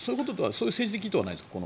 そういう政治的意図はないんですか？